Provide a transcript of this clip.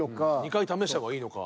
２回試した方がいいのか。